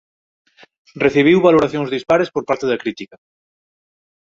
Recibiu valoracións dispares por parte da crítica.